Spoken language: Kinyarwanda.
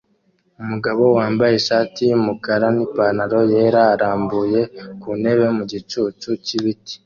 Umugabo wambaye ishati yumukara nipantaro yera arambuye ku ntebe mu gicucu cyibiti